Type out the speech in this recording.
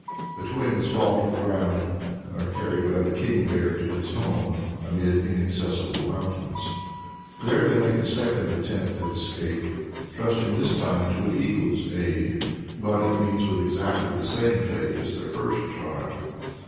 The twins fall to the ground, and are carried by the King Bear to his home amid inaccessible mountains. There they make a second attempt at escape, trusting this time to an eagle's aid; but it meets with exactly the same fate as their first trial.